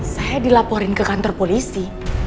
saya dilaporin ke kantor polisi